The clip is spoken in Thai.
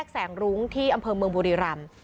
แสงรุ้งที่อำเภอเมืองบุรีรำ